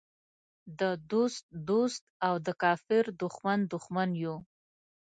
د دوست دوست او د کافر دښمن دښمن یو.